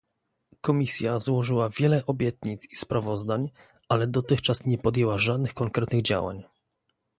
Komisja złożyła wiele obietnic i sprawozdań, ale dotychczas nie podjęła żadnych konkretnych działań